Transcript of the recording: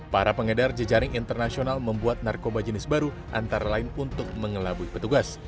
para pengedar jejaring internasional membuat narkoba jenis baru antara lain untuk mengelabui petugas